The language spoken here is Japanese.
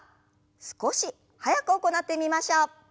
少し速く行ってみましょう。